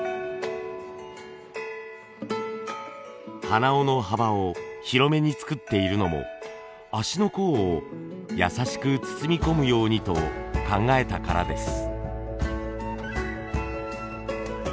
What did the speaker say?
鼻緒の幅を広めに作っているのも足の甲をやさしく包み込むようにと考えたからです。